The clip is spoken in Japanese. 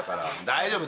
大丈夫。